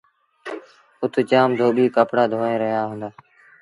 اُت جآم ڌوٻيٚ ڪپڙآ دوئي رهيآ هُݩدآ۔